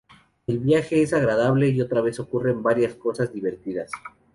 El viaje es agradable y otra vez ocurren varias cosas divertidas.